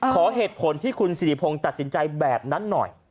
ขอเหตุผลที่คุณสิริพงศ์ตัดสินใจแบบนั้นหน่อย